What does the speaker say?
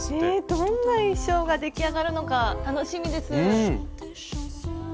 どんな衣装が出来上がるのか楽しみです！